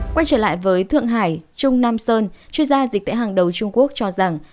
quay trở lại với thượng hải trung nam sơn chuyên gia dịch tễ hàng đầu trung quốc cho rằng